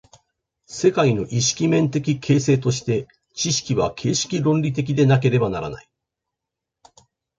世界の意識面的形成として、知識は形式論理的でなければならない。